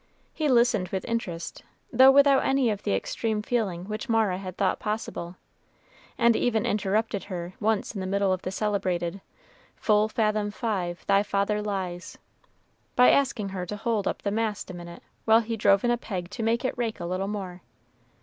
He listened with interest, though without any of the extreme feeling which Mara had thought possible, and even interrupted her once in the middle of the celebrated "Full fathom five thy father lies," by asking her to hold up the mast a minute, while he drove in a peg to make it rake a little more.